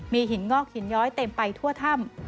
มีหินงอกหินย้อยเต็มไปทั่วถ้ำ